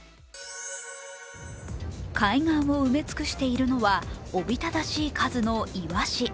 海岸を埋め尽くしているのはおびただしい数のイワシ。